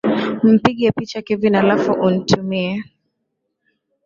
Mpige picha kevin alafu unitumie